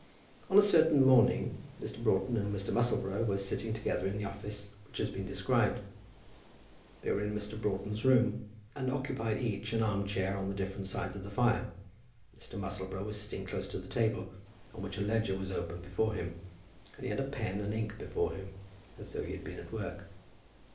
On a certain morning Mr. Broughton and Mr. Musselboro were sitting together in the office which has been described. They were in Mr. Broughton's room, and occupied each an arm chair on the different sides of the fire. Mr. Musselboro was sitting close to the table, on which a ledger was open before him, and he had a pen and ink before him, as though he had been at work.